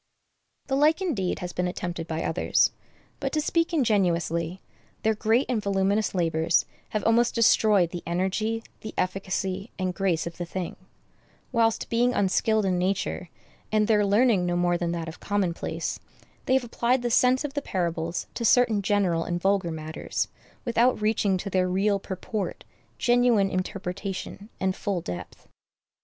The like, indeed, has been attempted by others; but, to speak ingenuously, their great and voluminous labors have almost destroyed the energy, the efficacy, and grace of the thing; whilst, being unskilled in nature, and their learning no more than that of commonplace, they have applied the sense of the parables to certain general and vulgar matters, without reaching to their real purport, genuine interpretation, and full depth.